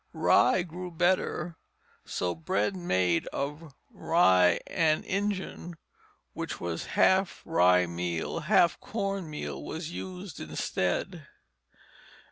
Rye grew better, so bread made of "rye an' injun," which was half rye meal, half corn meal, was used instead.